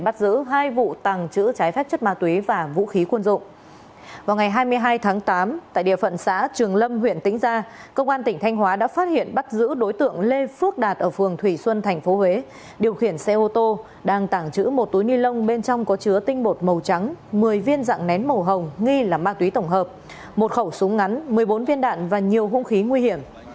tại địa phận xã trường lâm huyện tĩnh gia công an tỉnh thanh hóa đã phát hiện bắt giữ đối tượng lê phước đạt ở phường thủy xuân tp huế điều khiển xe ô tô đang tảng trữ một túi ni lông bên trong có chứa tinh bột màu trắng một mươi viên dạng nén màu hồng nghi là ma túy tổng hợp một khẩu súng ngắn một mươi bốn viên đạn và nhiều hung khí nguy hiểm